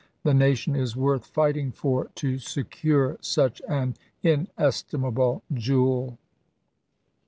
.. The nation is worth fighting for to secure such an inestimable jewel."